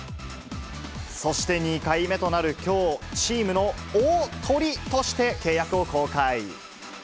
そして２回目となるきょう、チームの大トリとして、契約を更改。